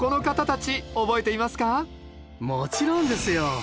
もちろんですよ！